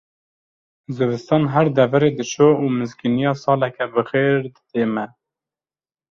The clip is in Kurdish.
Zivistan her deverê dişo û mizgîniya saleke bixêr dide me.